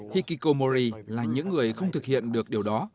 hikikomori là những người không thực hiện được điều đó